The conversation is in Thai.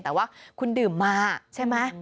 แต่ว่าคุณดื่มมาใช่ไหม